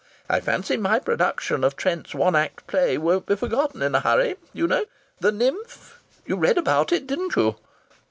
I fancy my production of Trent's one act play won't be forgotten in a hurry.... You know 'The Nymph'? You read about it, didn't you?"